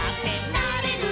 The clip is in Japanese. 「なれる」